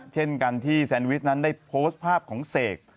เช่นกันที่แซนวิชนั้นได้โพสต์ภาพของเสก